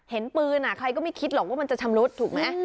เห็นปืนใครก็ไม่คิดหรอกว่ามันจะชำรุดถูกไหม